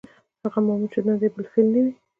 هغه مامور چې دنده یې بالفعل نه وي.